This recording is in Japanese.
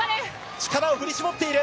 力を振り絞っている。